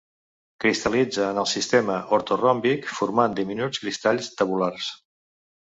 Cristal·litza en el sistema ortoròmbic, formant diminuts cristalls tabulars.